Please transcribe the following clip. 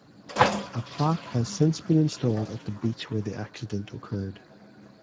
A plaque has since been installed at the beach where the accident occurred.